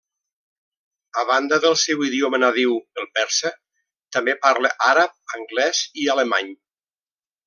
A banda del seu idioma nadiu, el persa, també parla àrab, anglès i alemany.